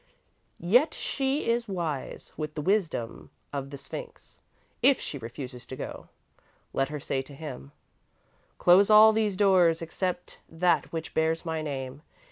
Yet she is wise, with the wisdom of the Sphinx, if she refuses to go. Let her say to him: "Close all these doors, except that which bears my name.